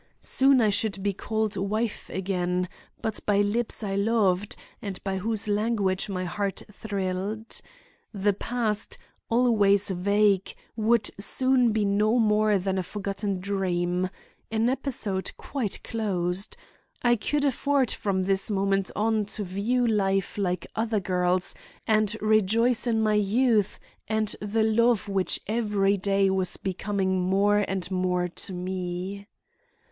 Soon I should be called wife again, but by lips I loved, and to whose language my heart thrilled. The past, always vague, would soon be no more than a forgotten dream—an episode quite closed. I could afford from this moment on to view life like other girls and rejoice in my youth and the love which every day was becoming more and more to me.